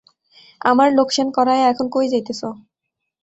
আমার লোকসান করায়া, এখন কই যাইতাছো?